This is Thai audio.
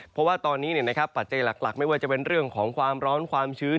เพราะว่าตอนนี้ปัจจัยหลักไม่ว่าจะเป็นเรื่องของความร้อนความชื้น